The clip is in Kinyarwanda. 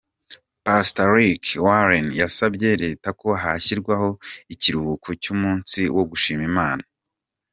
Pastor Rick Warren yasabye Leta ko hazashyirwaho ikiruhuko cy’umunsi wo gushima Imana.